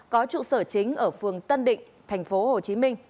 có trụ sở chính ở phường tân định tp hcm